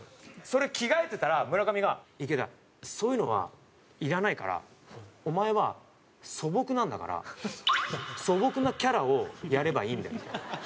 それ着替えてたら村上が「池田そういうのはいらないからお前は素朴なんだから素朴なキャラをやればいいんだよ」。